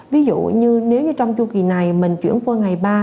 ví dụ như nếu như trong chu kỳ này mình chuyển qua ngày ba